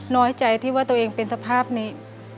น้อยใจที่ว่าตัวเองเป็นสภาพนี้